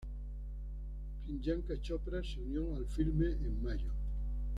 Priyanka Chopra se unió al filme en mayo.